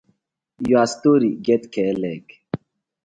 Your story get k-leg!